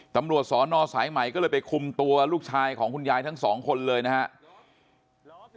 ตำรวจสอนอสายใหม่ก็เลยไปคุมตัวลูกชายของคุณยายทั้งสองคนเลยนะครับ